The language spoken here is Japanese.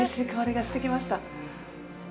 がしてきました。